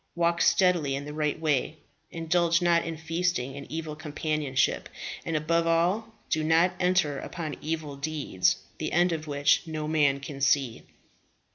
Walk steadily in the right way; indulge not in feasting and evil companionship; and above all, do not enter upon evil deeds, the end of which no man can see."